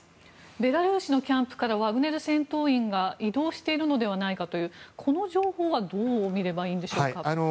ベラルーシのキャンプからはワグネル戦闘員が移動しているのではないかという情報はどう見ればいいんでしょうか。